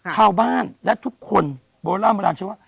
ข้าวบ้านและทุกคนโบราณบราชาวะ